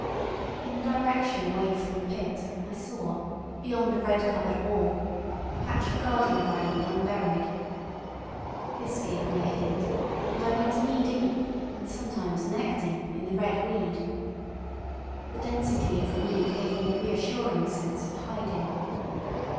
In the direction away from the pit I saw, beyond a red covered wall, a patch of garden ground unburied. This gave me a hint, and I went knee deep, and sometimes neck deep, in the red weed. The density of the weed gave me a reassuring sense of hiding.